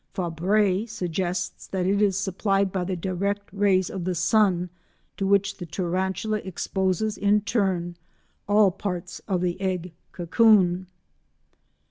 Fabre suggests that it is supplied by the direct rays of the sun, to which the Tarantula exposes in turn all parts of the egg cocoon.